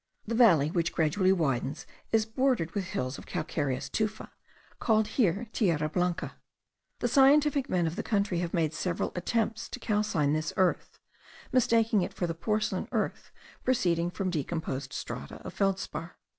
The valley, which gradually widens, is bordered with hills of calcareous tufa, called here tierra blanca. The scientific men of the country have made several attempts to calcine this earth, mistaking it for the porcelain earth proceeding from decomposed strata of feldspar.